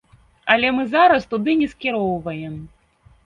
Але мы зараз туды не скіроўваем.